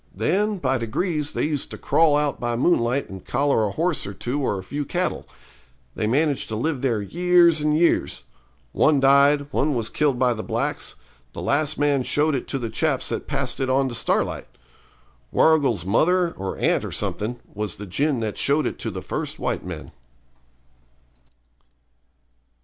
Then, by degrees, they used to crawl out by moonlight and collar a horse or two or a few cattle. They managed to live there years and years; one died, one was killed by the blacks; the last man showed it to the chaps that passed it on to Starlight. Warrigal's mother, or aunt or something, was the gin that showed it to the first white men.'